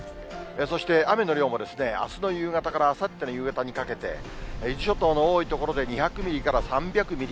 そして雨の量も、あすの夕方からあさっての夕方にかけて、伊豆諸島の多い所で２００ミリから３００ミリ。